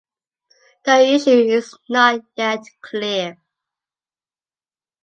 The issue is not yet clear.